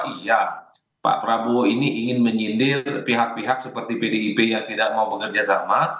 iya pak prabowo ini ingin menyindir pihak pihak seperti pdip yang tidak mau bekerja sama